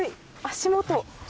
足元。